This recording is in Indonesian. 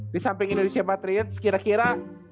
di samping indonesia patriot sekira kira